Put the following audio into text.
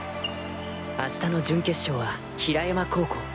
明日の準決勝は比良山高校。